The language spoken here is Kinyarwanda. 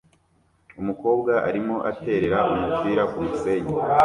Umukobwa arimo aterera umupira kumusenyi